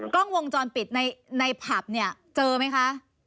กล้องวงจรปิดในผับเนี่ยเจอไหมคะ